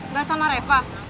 gak sama repah